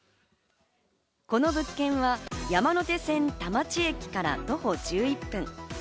この物件は山手線・田町駅から徒歩１１分。